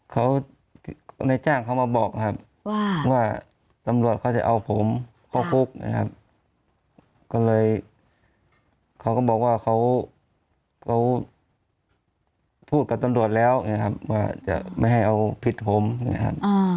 เขาในจ้างเขามาบอกครับว่าตำรวจเขาจะเอาผมเข้าคุกนะครับก็เลยเขาก็บอกว่าเขาพูดกับตำรวจแล้วไงครับว่าจะไม่ให้เอาผิดผมนะครับ